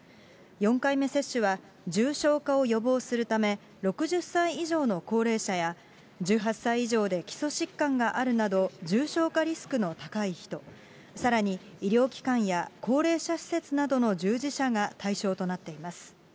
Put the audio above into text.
４回目接種は、重症化を予防するため、６０歳以上の高齢者や、１８歳以上で基礎疾患があるなど、重症化リスクの高い人、さらに医療機関や高齢者施設などの従事者が対象となっています。